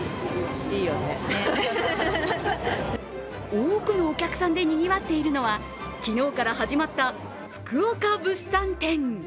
多くのお客さんでにぎわっているのは昨日から始まった福岡物産展。